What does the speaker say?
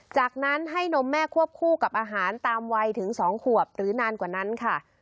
จากนั้นให้นมแม่ควบคู่กับอาหารตามวัยถึง๒ขวบหรือนานกว่านั้นค่ะ